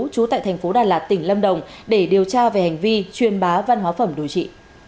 trú tại thành phố đà lạt tỉnh lâm đồng để điều tra về hành vi truyền bá văn hóa phẩm đồi trị